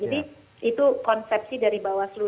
jadi itu konsepsi dari bawaslu